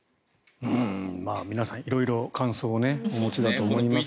皆さん、色々感想をお持ちだと思いますが。